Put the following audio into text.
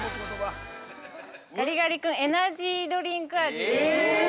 ◆ガリガリ君、エナジードリンク味です。